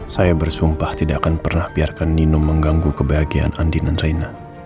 saya bersumpah tidak akan pernah biarkan nino mengganggu kebahagiaan andi dan raina